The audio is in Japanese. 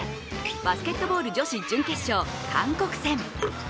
バスケットボール女子準決勝、韓国戦。